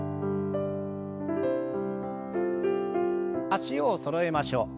脚をそろえましょう。